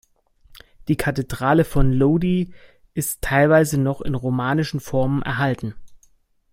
Die Kathedrale von Lodi ist teilweise noch in romanischen Formen erhalten.